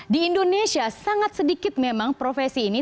di indonesia sangat sedikit memang profesi ini